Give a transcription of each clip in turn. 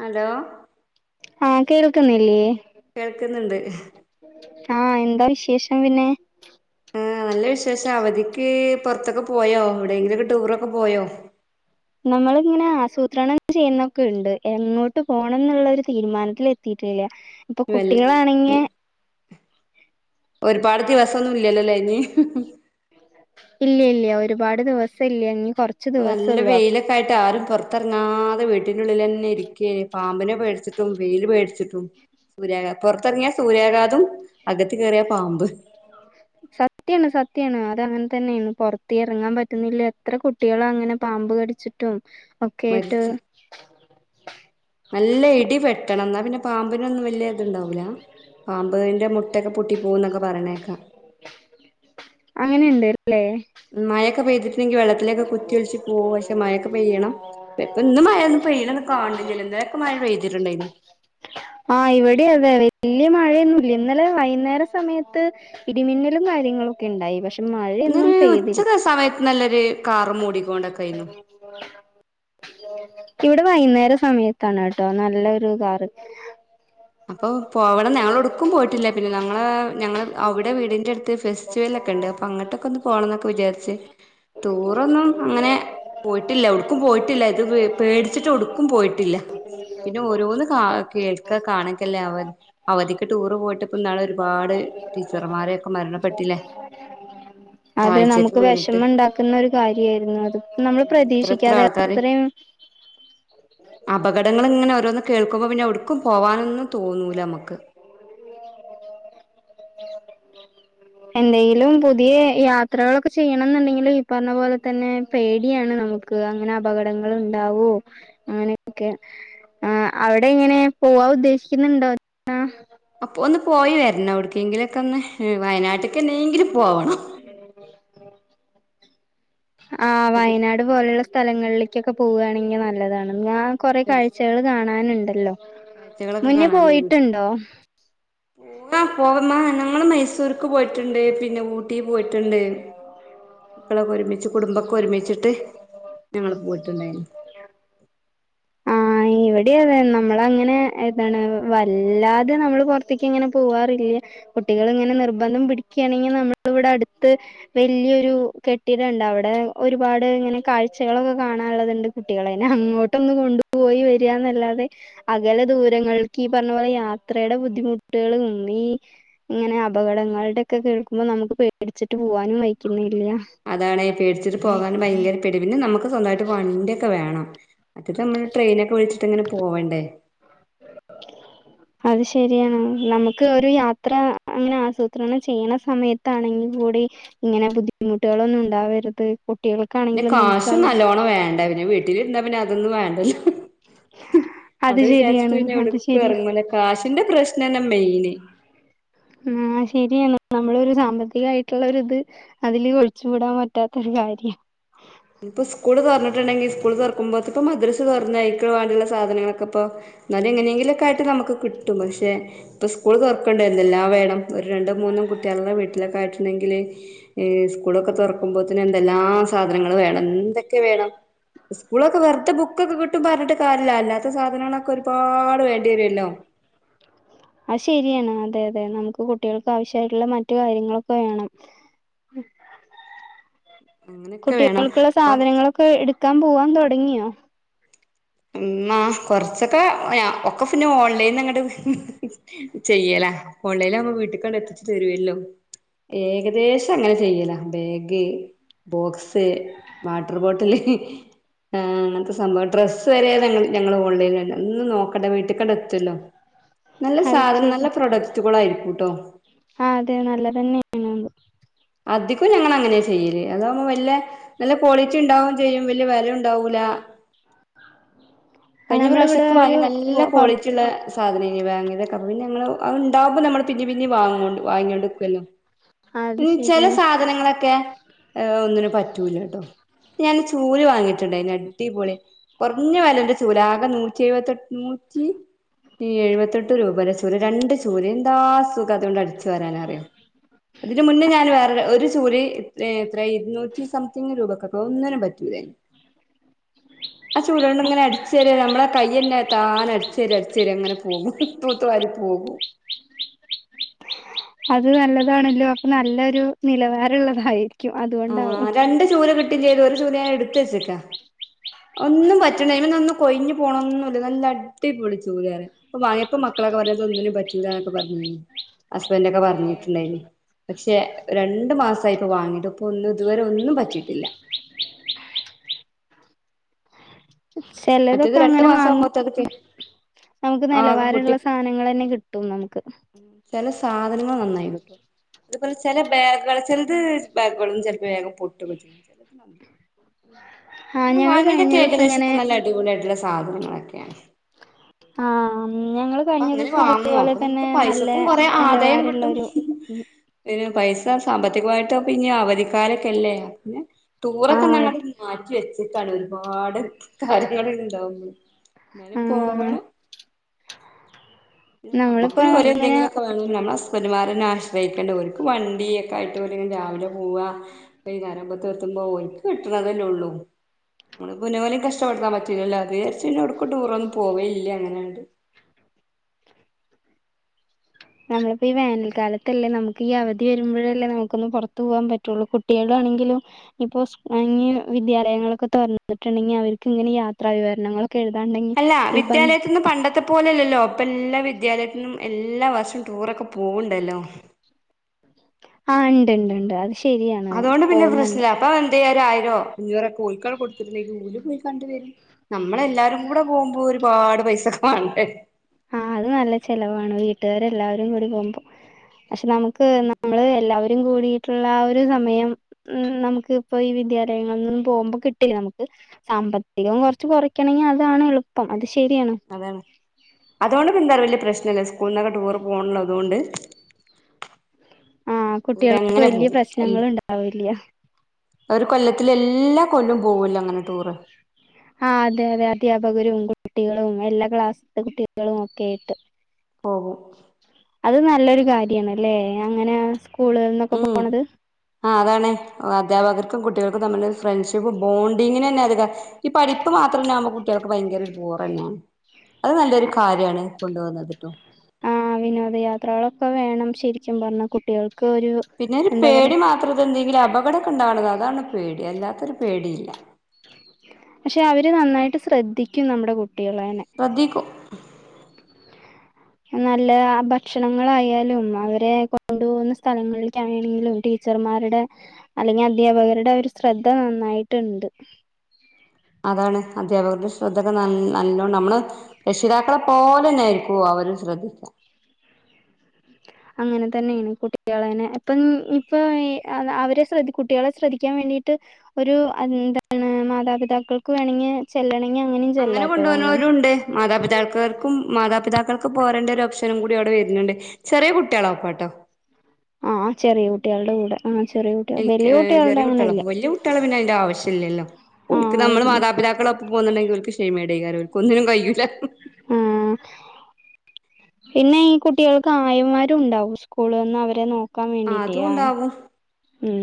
Hello ആഹ് കേൾക്കുന്നില്ലേ കേൾക്കുന്നുണ്ട് ആഹഹ് എന്താ വിശേഷം പിന്നെ ആ നല്ല വിശേഷം അവധിക്ക് പുറത്തൊക്കെ പോയോ എവിടെയെങ്കിലൊക്കെ ടൂറൊക്കെ പോയോ നമ്മൾ ഇങ്ങനെ ആസൂത്രണം ചെയ്യുന്നൊക്കെ ഉണ്ട് എങ്ങോട്ട് പോണം എന്നുള്ള ഒരു തീരുമാനത്തി എത്തിട്ടില്ല. ഇപ്പൊ വല്ല കുട്ടികളാണെങ്കിൽ ഒരുപാട് ദിവസം ഒന്നും ഇല്ലല്ലോ ഇനി ഹി ഹി ഇല്ല ഇല്ല ഒരുപാട് ദിവസം ഇല്ല ഇനി കുറ നല്ല വൈയിൽ ക്കായിട്ട് ആരും പുറത്തിറങ്ങാതെ വീട്ടന്റെള്ളിൽ തന്നെ ഇരിക്കേ പാമ്പിനെ പേടിച്ചിട്ടും വെയില് പേടിച്ചിട്ടും സൂര്യാഘാത പുറത്തിറങ്ങിയാ സൂര്യാഘാതം അകത്ത് കയറിയ പാമ്പ് [inaudible] സത്യാണ് സത്യാണ് അത് അങ്ങനെ തന്നെയാണ് പുറത്ത് ഇറങ്ങാൻ പറ്റുന്നില്ല എത്ര കുട്ടികളും അങ്ങനെ പാമ്പ് കടിച്ചിട്ട് ട്ടും ഒക്കെ ആയിട്ട് മരിച്ച് നല്ല ഇടി വേട്ടണം എന്നാ പിന്നെ പാമ്പിനൊന്നും വലിയ ഇത്ണ്ടാവൂല്ല പാമ്പിന്റെ മുട്ടൊക്കെ പൊട്ടി പോകന്നൊക്കെ പറയണേക്കാ അങ്ങനെയുണ്ട അല്ലേ മഴൊക്കെ പെയ്തിട്ടുണ്ടെങ്കിൽ വെള്ളത്തിലേൊക്കെ കുത്തി ഒിച്ച് പോക പക്ഷെ മഴൊക്കെ പെയ്യണം ഇപ്പൊ ഇന്ന് മഴ ഒന്ന പെയ്യാണന്നു കാണണ്ടില്ലല്ല ഇന്നലെയൊക്കെ മഴ പെയ്തിട്ടുണ്ടായിന്ന് ആഹ് ഇവിടെ അതെ വല്യ മഴയൊന്നുംല്ല ഇന്നലെ വൈകുന്നേര സമയത്ത് ഇടിമിന്നലും കാര്യങ്ങളൊക്കെ ഉണ്ടായി പക്ഷെ മഴയൊന്നും ഇന്നൊരു പെയ്തില്ല ഉച്ച സമയത്ത് നല്ലൊരു കാറ മൂടിക്കൊണ്ടൊക്കെ ആയിന്നു ഇവിടെ വൈകുന്നേര സമയത്താണ് കേട്ടോ നല്ലൊരു കാറ് അപ്പൊ പോവണം ഞങ്ങള എടുക്കും പോയിട്ടില്ല പിന്നെ ഞങ്ങളെ ഞങ്ങള് അവിടെ വീടിന്റെ അടുത്ത് ഫ ഫെസ്റ്റ് വെൽ ഒക്കെണ്ട് അപ്പൊ അങ്ട്ടൊക്കൊ ഒന്ന് പോണം എന്നൊക്കെ വിചാരിച്ച് റ്റുറൊ ഒന്നും അങ്ങനെ പോയിട്ടില്ല എവ്ട്ക്കും പോയിട്ടില്ല ഇത് പേടിച്ചിട്ട് എവ്ട്ക്കും പോയിട്ടില്ല പിന്നെ ഓരോന്ന് കാ കേൾക്കാ കാണക്കല്ലേ അവ അവധിക്ക് ടൂറ് പോയിട്ട് ഇപ്പ ഇന്നാള് ഒരുപാട് ടീച്ചർമാരെയൊക്കെ മരണപ്പെട്ടില്ലേ അതെ താഴ്ചക്ക് നമുക്ക് വീണിട്ട് വെഷമെണ്ടാക്കുന്ന ഒരു കാര്യായിരുന്നു അത് നമ്മള് പ്രതീക്ഷിക്കാതെ അത്രീം അപകടങ്ങള് ഇങ്ങനെ ഓരോന്ന് കേൾക്കുമ്പോ പിന്നെ എവ്ട്ക്കും പോവാനൊന്നും തോന്നൂല അമ്മക്ക്. [inaudible] എന്തെങ്കിലും പുതിയ യാത്രകളൊക്കെ ചെയ്യണം എന്ന്ണ്ടെങ്കിലും ഈ പറഞ്ഞ പോലെ തന്നെ പേടിയാണ് നമുക്ക് ക്ക് അങ്ങനെ അപകടങ്ങൾ ഇണ്ടാവോ അങ്ങനെക്കെ ആഹ് അവടെ എങ്ങനെ പോവാ ഉദ്ദേശിക്ക്ന്ന്ണ്ടോ അപ്പോ ഒന്ന് പോയി വരണം എവിടക്കെങ്കിലൊക്കെ ഒന്ന് വയനാട്ക്ക്ന്നെങ്കിലും പോവണം. ആഹ് വയനാട് പോലുള്ള സ്ഥലങ്ങളിലേക്കൊക്കെ പോവാണെങ്കിൽ നല്ലതാണ് ഞാൻ കൊറെ കാഴ്ചകൾ കാണാന്ണ്ടല്ലോ കാഴ്ചകളൊക്കെ മുന്നേ പോയിട്ടിണ്ടോ അഹ് പോവമ്മ ഞങ്ങള് മൈസൂർക്ക് പോയിറ്റ്ണ്ട് പിന്നെ ഊട്ടി പോയിട്ട്ണ്ട് മക്കളൊക്കെ ഒരുമിച്ച് കുടുംബക്കെ ഒരുമിച്ചിട്ട് ഞങ്ങള് പോയിട്ട്ണ്ടായിന്നു. ഇവടീ അതെ നമ്മളങ്ങനെ എതാണ് വല്ലാതെ നമ്മള് പുറത്ത്ക്ക് ഇങ്ങനെ പോവാറില്ല കുട്ടികള് ഇങ്ങനെ നിർബന്ധം പിടിക്കാണെങ്കി നമ്മള് ഇവിടെ അട്ത്ത് വെല്ലിയൊരു കെട്ടിടണ്ട് അവടെ ഒരുപാട് ഇങ്ങനെ കാഴ്ചകളൊക്കെ കാണാള്ളത്ണ്ട് കുട്ടികളേനെ അങ്ങോട്ടൊന്നു കൊണ്ടുപോയി വരാന്നല്ലാതെ അകലെ ദൂരങ്ങൾക്ക് ഈ പറഞ്ഞ പോലെ യാത്രേടെ ബുദ്ധിമുട്ടാള് ഇന്നീ ഇങ്ങനെ അപകടങ്ങളുടൊക്കെ കേൾക്കുമ്പോ നമുക്ക് പേടിച്ചിട്ട് പോവാനും വെയിക്കിന്നില്ല അതാണെ പേടിച്ചിട്ട് പോകാന് ഭയങ്കര പേടി പിന്നെ നമുക്ക് സ്വന്തായിട്ട് വണ്ടിയൊക്കെ വേണം ഇത് നമ്മൾ ട്രൈയിനൊക്കെ വിളിച്ചിട്ട് ഇങ്ങനെ പോവണ്ടേ അത് ശരിയാണ് നമുക്ക് ഒരു യാത്ര അങ്ങനെ ആസൂത്രണം ചെയ്യണ സമയ ത്താണെങ്കിൽ കൂടി ഇങ്ങനെ ബുദ്ധിമുട്ടാളൊന്നും ഇണ്ടാവരുത് പിന്ന കാശ് നല്ലോണം വേണ്ടേ പിന്നെ വീട്ടിലിര്ന്ന പിന്നെ അതൊന്നും വേണ്ടല്ലോ. അത് വിചാരിച്ചിട്ട് ശരിയാണ്. പിന്നെ അത് എവ്ട്ക്കും ശരിയാ. എറങ്ങുല കാശിന്റെ പ്രശ്നന്നെ മെയിന്. ആഹ് ശെരിയാണ് നമ്മളൊരു സാമ്പത്തികായിട്ടുള്ള ഒരു ഇത് അതില് ഒഴിച്ച് കൂടാൻ പറ്റാത്തൊരു കാര്യാ ഇപ്പൊ സ്കൂള് തുറന്ന്ട്ട്ണ്ടെങ്കി സ്കൂള് തുറക്കുമ്പോ ഇപ്പ മദ്രസ് തൊറ അയിക്ക് വാണ്ടള്ള സാധനങളൊക്കെ ഇപ്പോ എന്നാലും എങ്ങനെങ്കിലും ഒക്കെ ആയിട്ട് നമുക്ക് കിട്ടും പക്ഷെ ഇപ്പൊ സ്കൂള് തുറക്കെണ്ടലോ എല്ലാ വേണം ഒരു രണ്ടും മൂന്നും കുട്ട്യാള്ള്ള വീട്ടിലൊക്കെ ആയിട്ടുണ്ടെങ്കില് ഏഹ് സ്കൂളൊക്കെ തൊറക്കുമ്പോത്തിന് എന്തെല്ലാ സാധനങ്ങള് വേണം എന്തൊക്കെ വേണം. സ്കൂളൊക്കെ വെറുതെ ബുക്കൊക്കെ കിട്ടും പറഞ്ഞിട്ട് കാര്യല്ല അല്ലാത്ത സാധനങ്ങളൊക്കെ ഒരുപാട് വേണ്ടിവരൊല്ലോ. [inaudible] അത് ശരിയാണ് അതെ അതെ നമുക്ക് കുട്ടികൾക്ക് ആവിശ്യായിട്ടുള്ള മറ്റു കാര്യങ്ങളൊക്കെ വേണം. അങ്ങനെയൊക്കെ വേണം കുട്ടിയാൾക്ക്ള്ള അപ്പൊ സാധനങ്ങള് ഒക്കെ ഇട്ക്കാ പോവാൻ തൊടങ്ങ്യോ. ഇമ്മ കൊറച്ചൊക്കെ ഞാൻ ഒക്കെ ഫിന്നെ ഓൺലൈയ്ന്ന്ന്നാങ്ങട്ട് ചെയ്യലാ ഓൺലൈനാകുബോ വീട്ട്ക്കാണ്ട് എത്തിച്ച് തരുവല്ലോ ഏകദേശം അങ്ങനെ ചെയ്യലാ ബേഗ് ബോക്സ് 'വാട്ടർ ബോട്ടില്' അങ്ങനത്തെ സംഭവം ഡ്രസ്സ് വരെ അത് ഞങ്ങള് ഓൺലൈനാ ഒന്ന് നോക്കട്ണ്ട വീട്ട്ക്കാണ്ട് എത്തോല്ലോ നല്ല അത് സാധനം ശരി. നല്ല പ്രൊഡക്റ്റുകളായിയിരിക്കുംട്ടോ ആഹ് അതെ നല്ല തെന്നേണ് അത് അധികോ ഞങ്ങള് അങ്ങനെ ചെയ്യല് അതാകുമ്പോ വെല്ല നല്ല ക്വാളിറ്റി ഇണ്ടാവും ചെയ്യും വല്യ വെല ഇണ്ടാവൂല. ആഹ് കഴിഞ്ഞ നമ്മളിവിടെ പ്രാവശ്യക്കെ വാങ്ങി ഒരു പൊ നല്ല പൊറ ക്വാളിറ്റിള്ള സാധനേനി വാങ്ങിയതൊക്ക അപ്പ പിണെ ഞങ്ങള് അത്ണ്ടാവുമ്പോ നമ്മള് പിന്നിം പിന്നിം വാങ്ങും കൊണ്ട് വാങ്ങിയോണ്ട് ആ, [unintelligible] അത് ഇൻ ചെല ശരിയാണ്. സാധനങ്ങളക്കെ ഏ ഒന്നിനും പറ്റൂലട്ടോ. ഞാൻ ചൂല് വാങ്ങീട്ട്ണ്ടായ്നു അടിപൊളി കൊർഞ്ഞ വെലൻ്റെ ചൂലാ ആകെ നൂറ്റി എഴുപത്തെട്ട് നൂറ്റി ഈ എഴുപത്തെട്ട് രൂപന്റെ ചൂല് രണ്ട് ചൂല് എന്താ സുഖം അതോണ്ട് അടിച്ച് വാരാനറിയോ അതിന്റെ മുന്നേ ഞാൻ വേറെ ര ഒരു ചൂല് ഏ എത്ര ഇരുന്നൂറ്റി സംതിങ് രൂപക്കൊക്കെ ഒന്നിനും പറ്റൂലേനി. ആ ചൂലോണ്ട് ഇങ്ങനെ അടി [unintelligible] നമ്മളെ കയ്യെന്നെ താനെ അടിച്ചേരി അടിച്ചേരി അങ്ങനെ പോകും തൂത്ത് വാരി പോകും. അത് നല്ലതാണല്ലോ അപ്പ നല്ലൊരു നിലവാരള്ളതായി. [unintelligible] രണ്ട് ചൂല് കിട്ടിം ചെയ്ത് ഒരു ചൂല് ഞാന് എടുത്തേച്ചക്കാ. ഒന്നും പറ്റ്ണേ അയ്മന്ന് ഒന്നും കൊയിഞ്ഞു പോണൊന്നുല്ല നല്ല അടി പൊളി ചൂലാറിയ. ഇപ്പം വാങ്ങിപ്പം മക്കളക്കെ പറയ ഇത് ഒന്നിനും പറ്റൂല്ലാന്ന് പർഞ്ഞീനി ഹസ്ബന്റൊക്കെ പർഞ്ഞിട്ട്ണ്ടായിനി. പക്ഷെ രണ്ട് മാസായിപ്പോ വാങ്ങീട്ട് ഇപ്പൊ ഒന്നും ഇതുവരെ ഒന്നും പറ്റിയിട്ടില്ല. ചെലതൊക്കെ അങ്ങനെ വാ ച്ചത് പി നമുക്ക് നലവാരള്ള സാനങ്ങളെന്നെ കിട്ടും നമുക്ക്. ചെല സാധനങ്ങൾ നന്നായി കിട്ടും. ഇതുപോലെ ചെല ബാഗുകള് ചെലത് ബാഗുകളും ചെലപ്പൊ വേഗം പൊട്ടുക്കെ ചെയ്യും. ആ ഞാൻ ഞങ്ങള് കഴിഞ്ഞ വാങ്ങിയതൊക്കെ ദിവസം ഇങ്ങനെ ഏകദേശക്കെ നല്ല അടിപൊളി ആയിട്ടുള്ള സാധനങ്ങളെക്കേണ്. ആം അപ്പ അങ്ങനെ വാങ്ങോ അപ്പൊ നമുക്ക് നല്ല പൈസക്കും കൊറെ ആദായം കിട്ടും. നിലവാരള്ളൊരു പിന്നെ പൈസ സാമ്പത്തികമായിട്ട് ഇപ്പഞ്ഞ് അവധിക്കാലൊക്കെല്ലേ. പിന്നെ? ആ ടൂറൊക്കെന്നങ്ങട് മാറ്റി വെച്ചേക്കാണ് ഒരുപാട് കാര്യങ്ങള്ണ്ടാവുമ്പള്. ആ [unintelligible] പോവണം. [unintelligible] നമ്മളിപ്പോ നമ്മക്കൊരു ഒരേ ഇങ്ങനെ എന്തങ്കില [unintelligible] നമ്മളെ ഹസ്ബന്റ്മാരന്നെ ആശ്രയിക്കേണ്ട ഓൽക്ക് വണ്ടിയക്കായിട്ട് ഓല്ങ്ങനെ രാവിലെ പോവാ [unintelligible] എത്തുമ്പോ ഓൽക്ക് കിട്ട്ണതല്ലേ ഉള്ളൂ. നമ്മള് [unintelligible] കഷ്ടപ്പെടുത്താൻ പറ്റില്ലല്ലോ അത് വിചാരിച്ച് പിന്നെവ്‌ട്‌ക്കും ടൂറൊന്നും പോവലില്ല അങ്ങനെങ്ങട്ട്. നമ്മളിപ്പേ ഈ വേനൽകാലത്തല്ലേ നമുക്ക് ഈ അവധി വരുമ്പഴല്ലേ നമുക്കൊന്ന് പൊറത്ത് പോവാൻ പറ്റുള്ളു കു ട്ട്യേളാണെങ്കിലും ഇപ്പോ [unintelligible] വിദ്യാലയങ്ങളൊക്കെ തൊർന്നിട്ടുണ്ടെങ്കിൽ അവർക്ക് ഇങ്ങനെ യാത്രാ വിവരണങ്ങളൊ ക്കെഴുതാണ്ടെങ്കി ഇപ്പം ത് പോലെല്ലല്ലോ ഇപ്പ എല്ലാ വിദ്യാലയത്തിനും എല്ലാ വർഷോം ടൂറൊക്കെ പോവ്ണ്ടല്ലോ. ആഹ് ണ്ട്ണ്ട് ണ്ട് അത് ശരിയാണ് പോകുന്നുണ്ട്. ആ എന്തിയാ ഒരായിരോ അഞ്ഞൂറക്കെ ഓൽക്കൺ കൊടുത്തിട്ടുണ്ടെങ്കിൽ ഓല് പോയിക്കണ്ട് വരും. നമ്മളെല്ലാരും കൂടെ പോകുമ്പോ ഒരുപാട് പൈസക്കെ മാണ്ടേ? ആ അത് നല്ല ചെലവാണ് വീട്ട്ക്കാര് എല്ലാവരും കൂടി പോകുമ്പോ പക്ഷെ നമു ക്ക് ഉം നമ്മള് എല്ലാവരും കൂടീട്ടുള്ള ആ ഒരു സമയം ഉം നമുക്ക് ഇപ്പൊ ഈ വിദ്യാലയങ്ങളിൽ നിന്നും പോകുമ്പോ കിട്ടില്ല നമുക്ക് സാമ്പത്തികം കൊർച്ച് കൊറയ്ക്കണെങ്കി അതാണ് എളുപ്പം അത് ശരിയാണ്. അതാണ് അതോണ്ട് [unintelligible] വല്യ പ്രശ്നല്ല സ്കൂള്ന്നൊക്കെ ടൂർ പോണ്ള്ളതോണ്ട്. ആ കുട്ടികൾക്ക് ഓരങ്ങനെ വല്യ പോകും പ്രശ്നങ്ങള് ഇണ്ടാവില്ല. ഒരു കൊല്ലത്തിലെല്ലാ കൊല്ലോം പോവൂല്ലോ അങ്ങനെ ടൂറ്. ആഹ് അതെ അതെ അധ്യാപകരും കുട്ടികളും എല്ലാ ക്ലാസ്ത്തെ കുട്ടികളും ഒക്കേയിട്ട്. പോകും അത് നല്ലൊരു കാര്യണല്ലേ അങ്ങനെ സ്കൂളിന്നൊക്കെ പോണത്. ആഹ് അതാണ് അധ്യാപകർക്കും കുട്ടികൾക്കും തമ്മിൽ ഫ്രണ്ട്ഷിപ്പ് ബോണ്ടിങ്ങിനന്നെ അത് ഈ പഠിപ്പ് മാത്രനാമ് കുട്ടികൾക്ക് ഭയങ്കര ഒരു ബോറെന്നെയാണ് അത് നല്ലൊരു കാര്യാണ് കൊണ്ട് വന്നത്ട്ടോ. ആഹ് വിനോദയാത്രകളൊക്കെ വേണം ശരിക്കും പറഞ്ഞാൽ കുട്ടികൾക്ക് ഒരു. പിന്നോരു എന്താ പേടി പറയാ മാത്രതെന്തെങ്കിലും അപകടാക്കെണ്ടാവണുന്നത് അതാണ് പേടി അല്ലാത്തൊരു പേടി ഇല്ല പക്ഷെ അവര് നന്നായിട്ട് ശ്രദ്ധിക്കും നമ്മുടെ കുട്ടികളേനെ. ശ്രദ്ധിക്കും നല്ലതാ ഭക്ഷണങ്ങളായാലും അവരെ കൊണ്ടുപൊകുന്ന സ്ഥലങ്ങളിക്കായാലുങ്ക്ലും ടി ടീച്ചർമാരുടെ അല്ലെങ്കി അദ്ധ്യാപകരുടെ ഒരു ശ്രദ്ധ നന്നായിട്ടുണ്ട്. അതാണ് അധ്യാപകരുടെ ശ്രദ്ധൊക്കെ നല് നല്ലോണം നമ്മള് രക്ഷിതാക്കളെ പോലെന്നയിരിക്കു അവര് ശ്രദ്ധിക്ക. അങ്ങനതന്നേണ് കുട്ടികളെനെ ഇപ്പം ഇപ്പൊയ് അത അവരെ ശ്രദ്ധ് കുട്ടികളെ ശ്രദ്ധിക്കാൻ വേണ്ടീട്ട് ഒരു അന്താണ് മാതാപിതാക്കൾക്ക് വേണെങ്ങി ചെല്ലണെങ്ങി അങ്ങനിം അങ്ങനെ കൊണ്ടോണോരുണ്ട് മാതാപിതാൾക്കാർ ക്കും മാതാപിതാക്കൾക്ക് പോരേണ്ട ഒരോപ്‌ഷനു കൂടി അവിടെ വര്ന്ണ്ട് ചെറിയ കുട്ട്യാളൊപ്പാട്ടോ. ആഹ് ചെറിയ കുട്ട്യാൾടെ കൂടെ ആഹ് ചെറിയ കു ക്ക് ചെറിയ കുട്ടിയാളപ്പം വല്ല്യ കുട്ട്യാളെ പിന്നയിന്റെ ആവശ്യ ഇല്ലല്ലോ ഓല്ക്ക് ആഹ് നമ്മള് ഇല്ലേ മാതാപിതാക്കളൊ പ്പം പോന്നുണ്ടെങ്കി ഓല്ക്ക് ശെയ്‌മേടെക്കാരം ഓല്ക്ക് ഒന്നിനും കയ്യൂല്ല. ആഹ് പിന്നെ ഈ കുട്ടികൾക്ക് ആയമാരുണ്ടാവും സ്കൂൾന്ന് അവരെ നോ ക്കാൻ ആ വേണ്ടീറ്റെ അതും ആയ ഉണ്ടാവും ഉം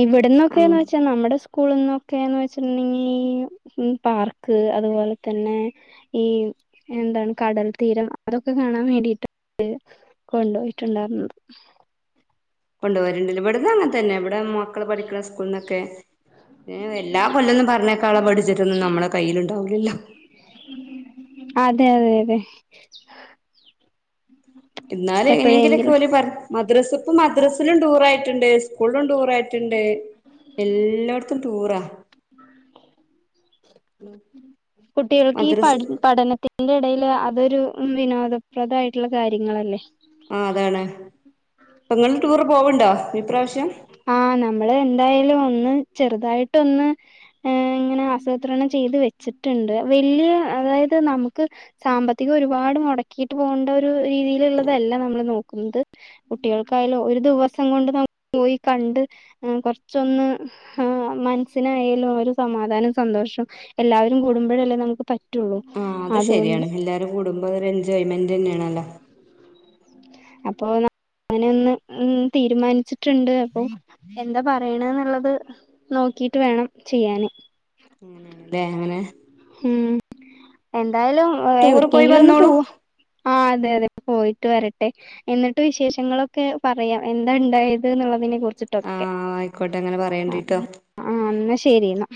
ഇവിട്ന്നൊക്കെന്നച്ച നമ്മടെ സ്കൂള്ന്നൊക്കേന്ന് വെച്ച്ണ്ടെങ്കി ഉം പാർക്ക് അതുപോലെ തന്നെ ഈ എന്താണ് കടൽ തീരം അതൊക്കെ കാണാൻ വേണ്ടിട്ട് [inaudible] കൊണ്ടോയിട്ടുണ്ടാരുന്നത്. കൊണ്ടോവല്ണ്ട്ലെ ഇവിടന്നങ്ങൻ തന്നെ ഇവിടെ മക്കൾ പഠിക്ക്ണ സ്‌ ക്കുള്ന്നൊക്കെ പിന്നെ എല്ലാ കൊല്ലൊന്നും പറഞ്ഞേക്കാനുള്ള ബഡ്ജറ്റൊന്നും നമ്മളെ കയ്യിലുണ്ടാവുലല്ലോ. അതെ അതെ അതെ ഇന്നാല് എങ്ങനേങ്കിലൊക്കെ എപ്പോഴെങ്കിലും ഓല് പറ മദ്രസ് ഇപ്പ മദ്രസ്സിലും ടൂറായിട്ടുണ്ട് സ്കൂൾലും ടൂറായി ട്ടുണ്ട് എല്ലോട്ത്തും ടൂറാ. ഉം മദ്രസ് ത്തിൻ്റെ എടയില് അതൊരു വിനോദ പ്രദായിട്ടുള്ള കാര്യങ്ങളല്ലേ. ആഹ് അതാണ് ഇങ്ങൾ ടൂറ് പോവുണ്ടോ ഇപ്രാശ്യം. ആഹ് നമ്മള് എന്തായാലു ഒന്ന് ചെറുതായിട്ടൊന്ന് ഏഹ് ഇങ്ങനെ ആസൂത്രണം ചെയ്ത് വെച്ചിട്ട്ണ്ട് വല്യ അതായത് നമുക്ക് സാമ്പത്തികം ഒരുപാട് മുടക്കിട്ട് പോണ്ടോ ഒരു രീതിയില്ള്ളതല്ല നമ്മള് നോക്കുന്നത്. കുട്ടികൾക്കായാലും ഒരു ദിവസം കൊണ്ട് നമ് പോയി കണ്ട് അഹ് കൊറ്ച്ചൊന്ന് ആഹ് മൻസ്സിനായാലും ഒരു സമാധാനം സന്തോഷം എല്ലാവരും കൂടുമ്പഴല്ലേ നമുക്ക് പ ആഹ് അത് ശരിയാണ് എല്ലാരും കൂടുമ്പോ ഒര് എൻജോയ്മെൻ്റെന്നേണല്ലോ. അപ്പോ ന്ന ങ്ങനൊന്ന് ഉം തീരുമാനിച്ചിട്ടുണ്ട് അപ്പൊ എന്താ പറയ്ണന്ന്ള്ളത് നോക്കീട്ട് വേണം ചെയ്യാന്. നേണ് ല്ലെ അങ്ങനെ ഉം എന്തായാലും ടൂറ് പോയി എഎവിട്ക്കേങ്കിലൊന്ന് വന്നോളൂ പോവ. ആഹ് അതെ അതെ പോയിട്ട് വര ട്ടെ. എന്നിട്ട് വിശേഷങ്ങളൊക്കെ പറയാം എന്താ ഇണ്ടായത് ന്ന്ള്ളതിനെ കുർച് ആ ട്ടൊക്കെ ആയിക്കോട്ടെ അങ്ങനെ പറയണ്ടിട്ടോ ആഹ്വ ആഹ് ന്നാ ശരീന്നാ.